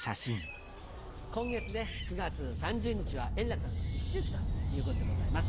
今月９月３０日は円楽さんの一周忌ということでございます。